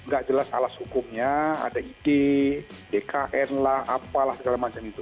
gak jelas alas hukumnya ada iti dkn lah apalah segala macam itu